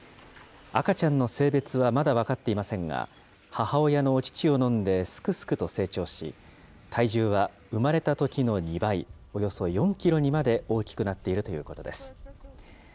赤ちゃんの性別はまだ分かっていませんが、母親のお乳を飲んですくすくと成長し、体重は生まれたときの２倍、およそ４キロにまで大きくなっているということです。